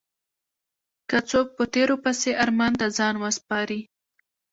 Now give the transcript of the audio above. که څوک په تېرو پسې ارمان ته ځان وسپاري.